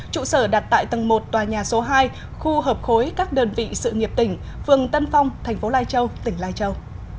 trụ sở đặt tại tầng một tòa nhà số hai khu hợp khối các đơn vị sự nghiệp tỉnh phường tân phong thành phố lai châu tỉnh lai châu